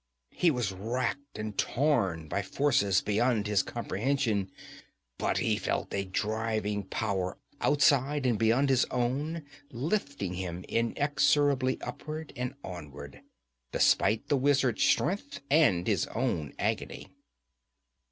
He was racked and torn by forces beyond his comprehension, but he felt a driving power outside and beyond his own lifting him inexorably upward and onward, despite the wizard's strength and his own agony.